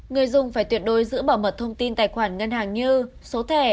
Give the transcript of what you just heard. người dùng phải tuyệt đối giữ bảo mật thông tin tài khoản ngân hàng như số thẻ